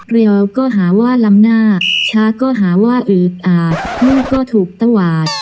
เรียวก็หาว่าลำหน้าช้าก็หาว่าอืดอาดลูกก็ถูกตวาด